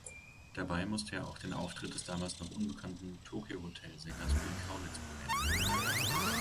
Dabei musste er auch den Auftritt des damals noch unbekannten "Tokio-Hotel"-Sängers Bill Kaulitz bewerten.